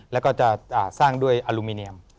แล้วก็จะสร้างด้วยอลูมิเนียม